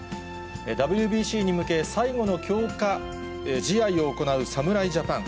ＷＢＣに向け、最後の強化試合を行う侍ジャパン。